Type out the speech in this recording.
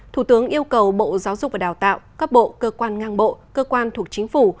thủ tướng yêu cầu bộ giáo dục và đào tạo các bộ cơ quan ngang bộ cơ quan thuộc chính phủ